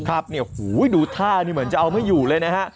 ครับดูท่านี่เหมือนจะเอาไม่อยู่เลยนะฮะ